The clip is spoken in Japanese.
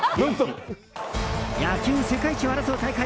野球世界一を争う大会